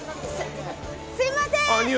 すみません！